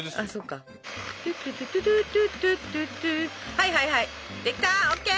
はいはいはいできたＯＫ！